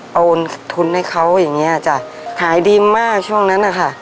เอาทุนให้เขาอย่างเงี้ยจ้ะขายดีมากช่วงนั้นนะคะ